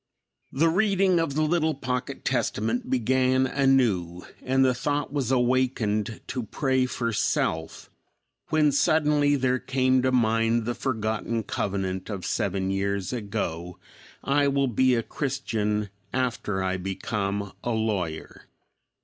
The reading of the little pocket testament began anew, and the thought was awakened to pray for self; when suddenly there came to mind the forgotten covenant of seven years ago, "I will be a Christian after I become a lawyer."